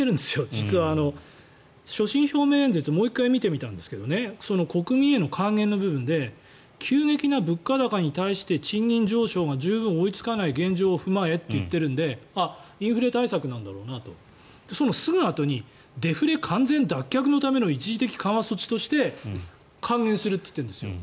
実は所信表明演説もう１回見てみたんですが国民への還元の部分で急激な物価高に対して賃金上昇が十分追いつかない状況を踏まえと言っているのであ、インフレ対策なんだなと。そのすぐあとにデフレ完全脱却のための一時的措置として還元するといってるんです。